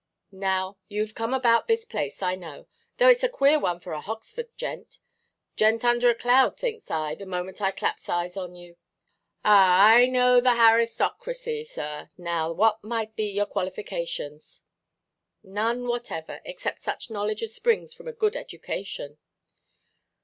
Now you have come about this place, I know; though itʼs a queer one for a Hoxford gent. 'Gent under a cloud,' thinks I, the moment I claps eyes on you. Ah, I knows the aristocraxy, sir. Now, what might be your qualifications?" "None whatever, except such knowledge as springs from a good education."